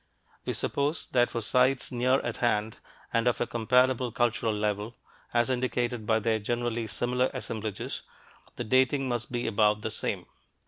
We suppose that for sites near at hand and of a comparable cultural level, as indicated by their generally similar assemblages, the dating must be about the same.